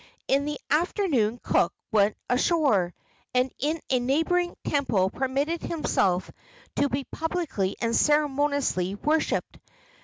In the afternoon Cook went ashore, and in a neighboring temple permitted himself to be publicly and ceremoniously worshipped.